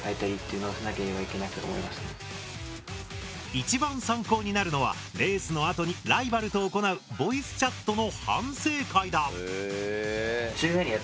一番参考になるのはレースのあとにライバルと行うボイスチャットの反省会だ。